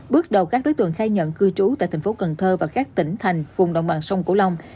bước đầu các đối tượng khai nhận cư trú tại thành phố cần thơ và các tỉnh thành vùng đồng bằng sông cổ long